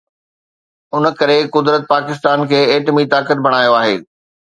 ان ڪري قدرت پاڪستان کي ايٽمي طاقت بڻايو آهي.